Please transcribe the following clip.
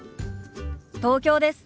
東京です。